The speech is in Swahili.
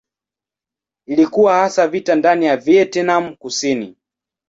Ilikuwa hasa vita ndani ya Vietnam Kusini.